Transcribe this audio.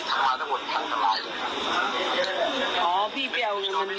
จะไปพูดไปเรื่องมีโรงพยาบาลมีมีตายอะไรอย่างนี้